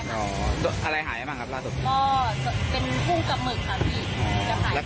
แล้วก็คนเราอ่ะมันทำมาหากินก่อนจะหาเงินได้แต่ละบาท